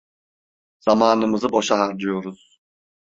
Zamanımızı boşa harcıyoruz.